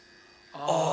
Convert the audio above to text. ああ。